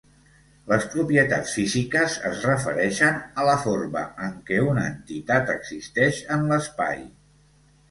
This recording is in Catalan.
Les propietats físiques es refereixen a la forma en què una entitat existeix en l'espai.